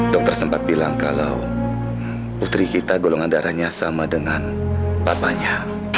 dokter sempat bilang kalau putri kita golongan darahnya sama dengan papanya